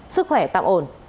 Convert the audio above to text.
sức khỏe tạm ổn